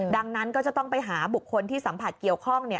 ดังนั้นก็จะต้องไปหาบุคคลที่สัมผัสเกี่ยวข้อง